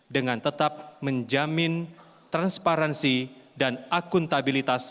dengan tetap menjamin transparansi dan akuntabilitas